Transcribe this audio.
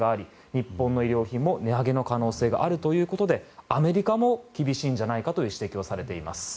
日本の衣料品も値上げの可能性があるということでアメリカも厳しいじゃないかと指摘されています。